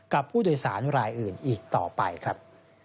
กับผู้โดยสารรายอื่นอีกต่อไปครับ